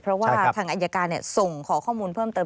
เพราะว่าทางอายการส่งขอข้อมูลเพิ่มเติม